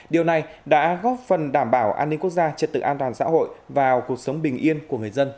điều này đã góp phần đảm bảo an ninh quốc gia trật tự an toàn xã hội vào cuộc sống bình yên của người dân